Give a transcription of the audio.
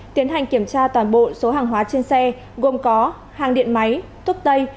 tiến hành kiểm tra toàn bộ số hàng hóa trên xe gồm có hàng điện máy thuốc tây